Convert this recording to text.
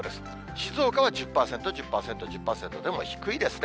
静岡は１０％、１０％、１０％、でも低いですね。